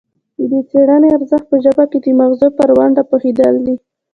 د دې څیړنې ارزښت په ژبه کې د مغزو پر ونډه پوهیدل دي